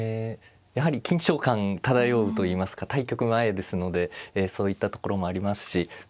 やはり緊張感漂うといいますか対局前ですのでそういったところもありますしま